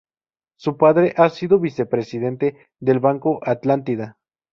Su padre ha sido vicepresidente del Banco Atlántida.